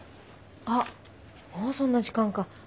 あっもうそんな時間か。